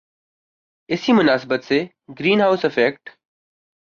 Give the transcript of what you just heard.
اسی مناسبت سے گرین ہاؤس ایفیکٹ